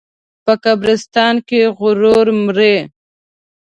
په قبرستان کې غرور مري.